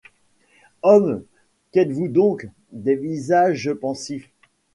Hommes, qu’êtes-vous donc ? Des visages pensifs.